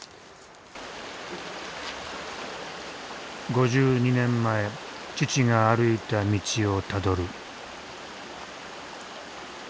５２年前父が歩いた道をたどる。